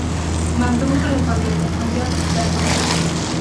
Mantuvo correspondencia con Joseph Dalton Hooker